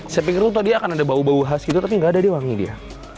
saya pikir tuh tadi akan ada bau bau khas gitu tapi nggak ada dia wangi dia